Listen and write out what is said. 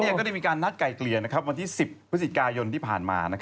ก็ได้มีการนัดไก่เกลี่ยวันที่๑๐พฤศจิกายนที่ผ่านมา